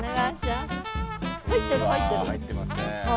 うわ入ってますね。